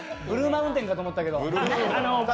ブルーマウンテンかと思ったけど。